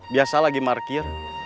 biasa lagi markir